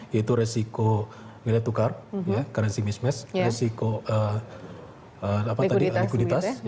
yaitu resiko nilai tukar ya currency mismatch resiko likuiditas